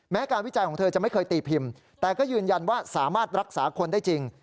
การวิจัยของเธอจะไม่เคยตีพิมพ์แต่ก็ยืนยันว่าสามารถรักษาคนได้จริง